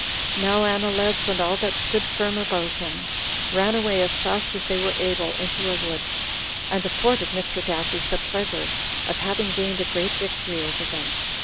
Now Anileus, and all that stood firm about him, ran away as fast as they were able into a wood, and afforded Mithridates the pleasure of having gained a great victory over them.